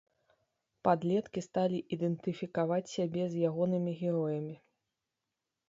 Падлеткі сталі ідэнтыфікаваць сябе з ягонымі героямі.